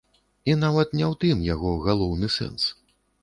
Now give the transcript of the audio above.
І нават не ў тым яго галоўны сэнс.